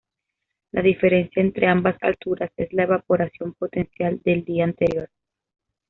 La diferencia entre ambas alturas es la evaporación potencial del día anterior.